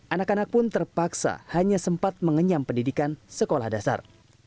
anak anak pun terpaksa hanya sempat mengenyam pendidikan sekolah dasar